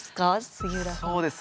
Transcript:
杉浦さん。